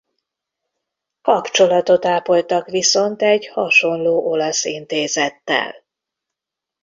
Kapcsolatot ápoltak viszont egy hasonló olasz intézettel.